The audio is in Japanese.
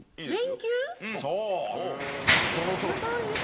そうそのとおりです。